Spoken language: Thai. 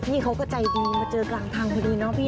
พี่เขาก็ใจดีมาเจอกลางทางก็ดีนะพี่น้อย